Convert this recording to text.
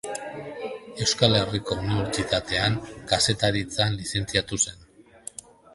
Euskal Herriko Unibertsitatean Kazetaritzan lizentziatu zen.